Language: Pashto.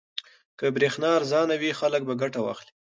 که برېښنا ارزانه وي خلک به ګټه واخلي.